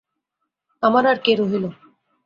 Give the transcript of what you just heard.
আমার আর কে রহিল?